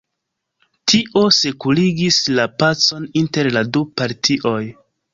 Tio sekurigis la pacon inter la du partioj.